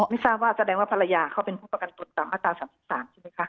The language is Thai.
ไม่ทราบว่าแสดงว่าภรรยาเขาเป็นผู้ประกันตนตามมาตรา๓๓ใช่ไหมคะ